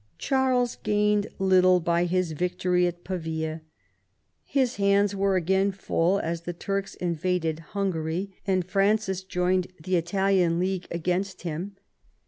Charles gained little by his victory at Pavia His hands were again full, as the Turks invaded Hungary, and Francis joined the Italian League against him.